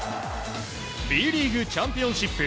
Ｂリーグチャンピオンシップ。